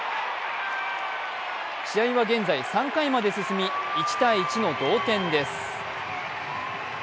試合は現在３回まで進み１−１の同点です。